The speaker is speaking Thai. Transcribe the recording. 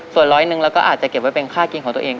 ส่วนร้อยหนึ่งเราก็อาจจะเก็บไว้เป็นค่ากินของตัวเอง